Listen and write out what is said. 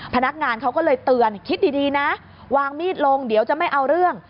พนักงานเขาก็เลยเตือนคิดดีนะวางมีดลงเดี๋ยวจะไม่เอาเรื่อง